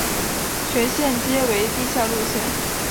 全线皆为地下路线。